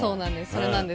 それなんです。